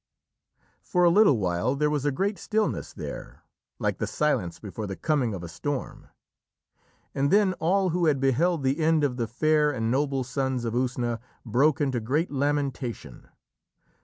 For a little while there was a great stillness there, like the silence before the coming of a storm. And then all who had beheld the end of the fair and noble Sons of Usna broke into great lamentation.